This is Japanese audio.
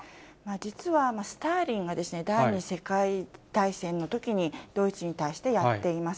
実はスターリンが第２次世界大戦のときに、ドイツに対してやっています。